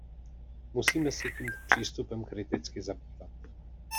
Musíme se tímto přístupem kriticky zabývat.